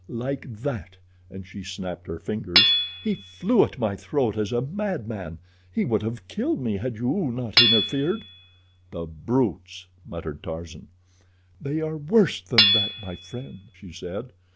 Like that"—and she snapped her fingers—"he flew at my throat as a madman. He would have killed me had you not interfered." "The brutes!" muttered Tarzan. "They are worse than that, my friend," she said.